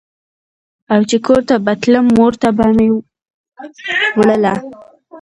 او چې کور ته به تلم مور ته به مې وړله.